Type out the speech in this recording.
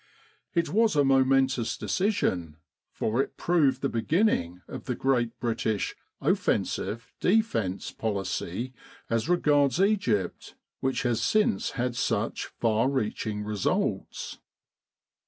It was a momentous decision, for it proved the beginning of the great British offensive defence policy as regards Egypt, which has since had such far reaching results.